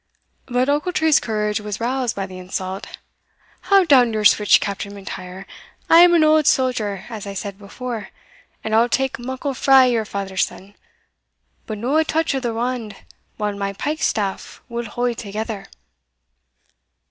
But Ochiltree's courage was roused by the insult. "Haud down your switch, Captain M'Intyre! I am an auld soldier, as I said before, and I'll take muckle frae your father's son; but no a touch o' the wand while my pike staff will haud thegither."